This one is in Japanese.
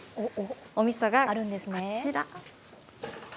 おみそがこちら。